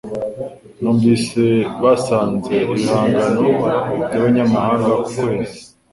Numvise basanze ibihangano byabanyamahanga ku kwezi.